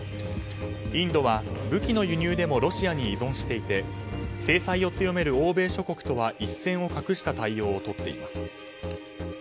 インドは武器の輸入でもロシアに依存していて制裁を強める欧米諸国とは一線を画した対応をとっています。